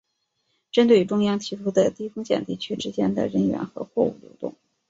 针对中央提出的低风险地区之间的人员和货物流动